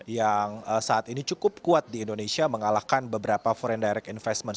yang saat ini cukup kuat di indonesia mengalahkan beberapa foreig direct investment